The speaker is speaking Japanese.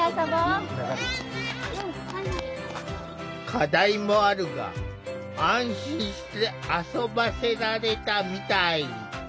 課題もあるが安心して遊ばせられたみたい。